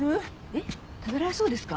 えっ食べられそうですか？